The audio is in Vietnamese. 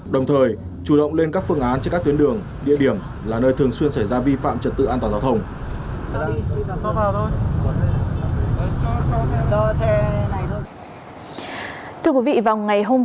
đồng thời chủ động lên các phương án trên các tuyến đường địa điểm là nơi thường xuyên xảy ra vi phạm trật tự an toàn giao thông